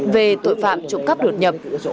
về tội phạm trộm cắp đột nhập